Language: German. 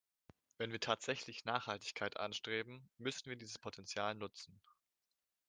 Wenn wir tatsächlich Nachhaltigkeit anstreben, müssen wir dieses Potenzial nutzen.